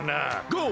「ゴー！